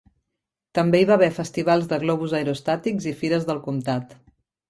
També hi va haver festivals de globus aerostàtics i fires del comtat.